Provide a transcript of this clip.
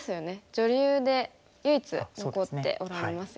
女流で唯一残っておられますよね。